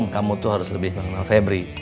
kamu tuh harus lebih mengenal febri